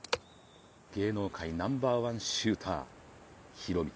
芸能界ナンバーワンシューター・ヒロミ。